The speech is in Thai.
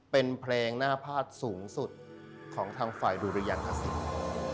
เป็นเพลงหน้าพาดสูงสุดของทางฝ่ายดุริยังทศิษย์